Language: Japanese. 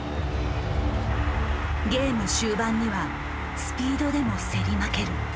ゲーム終盤にはスピードでも競り負ける。